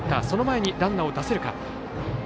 その前にランナーを出せるか。